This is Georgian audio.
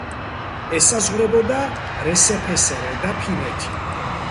ესაზღვრებოდა რსფსრ და ფინეთი.